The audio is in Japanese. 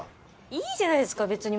いいじゃないですか別に。